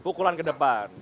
pukulan ke depan